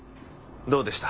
どうでした？